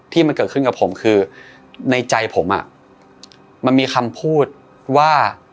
ที่มันเกิดขึ้นกับผมคือในใจผมอ่ะมันมีคำพูดว่า